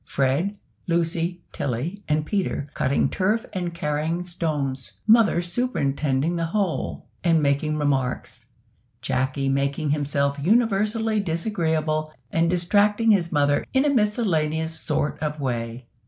Fred, Lucy, Tilly, and Peter cutting turf and carrying stones. Mother superintending the whole, and making remarks. Jacky making himself universally disagreeable, and distracting his mother in a miscellaneous sort of way.